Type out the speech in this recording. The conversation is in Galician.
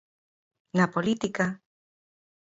Na política...